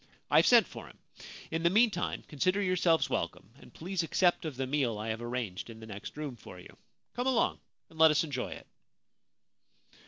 I have sent for him. In the meantime consider yourselves welcome, and please accept of the meal I have arranged in the next room for you. Come along and let us enjoy it.'